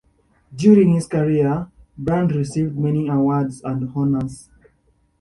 During his career, Brand received many awards and honours.